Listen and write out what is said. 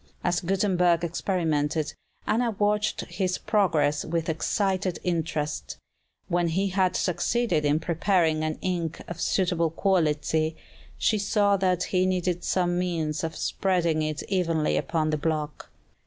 As Gutenberg experimented, Anna watched his progress with excited interest. When he had succeeded in preparing an ink of suitable quality, she saw that he needed some means of spreading it evenly upon the block.